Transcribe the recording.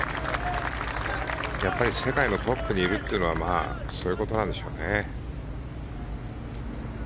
世界のトップにいるというのはそういうことなんでしょうね。